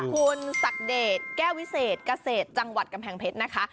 คุณศักดิ์เดชแก้ววิเศษเกษตรเกษตรจังหวัดกำแพงเพชรนะคะ